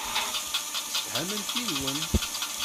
Msefhament yid-wen.